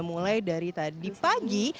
mulai dari tadi pagi